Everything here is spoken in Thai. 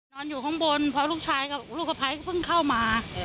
นอนอยู่ข้างบนเพราะลูกสะไพรก็เพิ่งเข้ามา